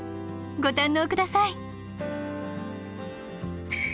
ご堪能下さい。